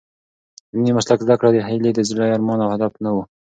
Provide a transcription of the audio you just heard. د نوي مسلک زده کړه د هیلې د زړه ارمان او هدف نه و.